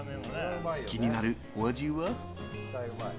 気になるお味は。